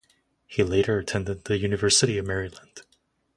He later attended the University of Maryland.